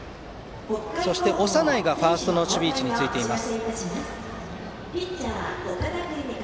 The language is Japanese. そして長内がファーストの守備位置についています。